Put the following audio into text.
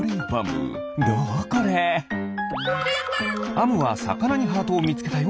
あむはさかなにハートをみつけたよ。